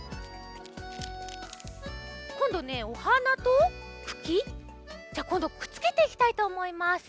こんどねお花とくきじゃあこんどくっつけていきたいとおもいます。